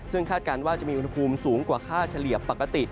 ซึ่งคาดการณ์ว่าจะมีอุณหภูมิสูงกว่าค่าเฉลี่ยปกติ